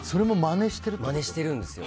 まねしてるんですよ。